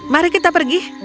mari kita pergi